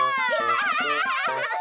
ハハハハハ！